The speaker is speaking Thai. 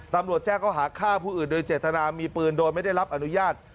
ตำรวจแจ้งเขาหาฆ่าผู้อื่นโดยเจตนามีปืนโดยไม่ได้รับอนุญาต